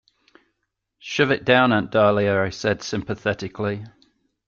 "Shove it down, Aunt Dahlia," I said sympathetically.